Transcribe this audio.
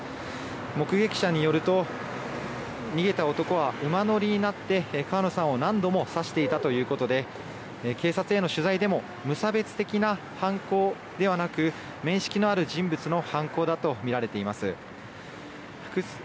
目撃者によると逃げた男は馬乗りになって川野さんを何度も刺していたということで警察への取材でも無差別的な犯行ではなく面識のある人物の犯行だとみられています。